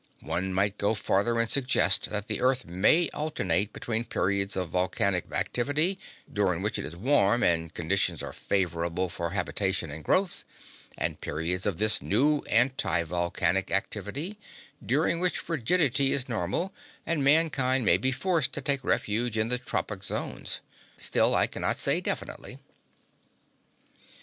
One might go farther and suggest that the earth may alternate between periods of volcanic activity, during which it is warm and conditions are favorable for habitation and growth, and periods of this new antivolcanic activity during which frigidity is normal, and mankind may be forced to take refuge in the tropic zones. Still, I cannot say definitely.